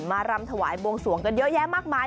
รำถวายบวงสวงกันเยอะแยะมากมาย